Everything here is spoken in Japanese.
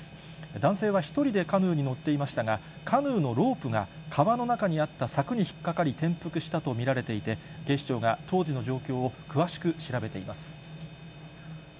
男性は１人でカヌーに乗っていましたが、カヌーのロープが川の中にあった柵に引っ掛かり、転覆したと見られていて、警視庁が当時の状況を詳しく調べています。